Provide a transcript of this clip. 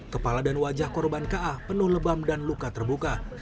kepala dan wajah korban ka penuh lebam dan luka terbuka